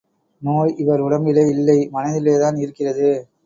நோய் இவர் உடம்பிலே இல்லை மனதிலேதான் இருக்கிறது.